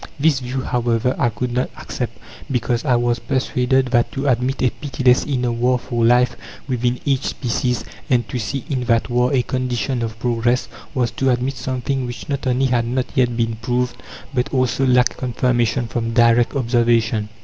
This view, however, I could not accept, because I was persuaded that to admit a pitiless inner war for life within each species, and to see in that war a condition of progress, was to admit something which not only had not yet been proved, but also lacked confirmation from direct observation.